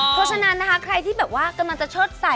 เพราะฉะนั้นนะคะใครที่แบบว่ากำลังจะเชิดใส่